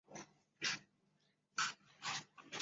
缅甸莱比塘铜矿。